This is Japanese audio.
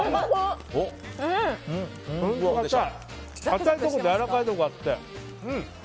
かたいところとやわらかいところがあって。